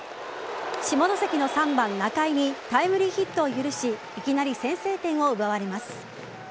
下関の３番・仲井にタイムリーヒットを許しいきなり先制点を奪われます。